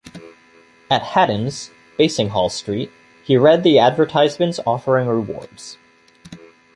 At Hatton's, Basinghall Street, he read the advertisements offering rewards.